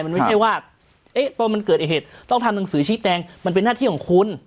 มันไม่ใช่ว่าต้องทำหนังสือชี้แตงมันเป็นหน้าที่ของคุณ